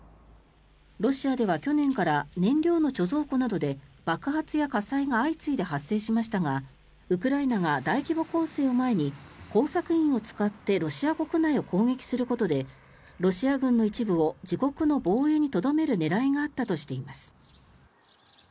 ロシアでは去年から燃料の貯蔵庫などで爆発や火災が相次いで発生しましたがウクライナが大規模攻勢を前に工作員を使ってロシア国内を攻撃することでロシア軍の一部を自国の防衛にとどめる狙いがあったとしています。